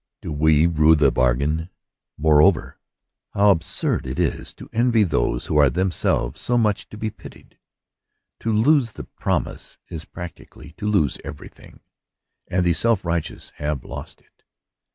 Do we rue the bargain? Moreover, how absurd it is to envy those who are themselves so much to be pitied ! To lose the promise is practi cally to lose everything; and the self righteous have lost it.